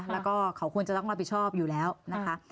แล้วก็เขาควรจะต้องรับผิดชอบอยู่แล้วนะคะ